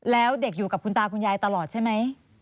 แล้วเด็กอยู่กับคุณตาคุณยายตลอดใช่ไหม